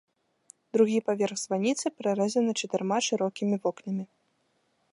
Другі паверх званіцы прарэзаны чатырма шырокімі вокнамі.